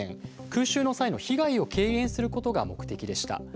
空襲の際の被害を軽減することが目的でした。